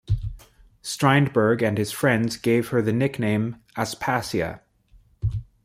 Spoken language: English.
Strindberg and his friends gave her the nickname 'Aspasia'.